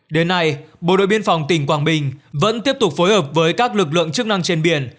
đến nay bộ đội biên phòng tỉnh quảng bình vẫn tiếp tục phối hợp với các lực lượng chức năng trên biển